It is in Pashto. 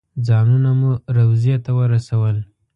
ځانونه مو روضې ته ورسول.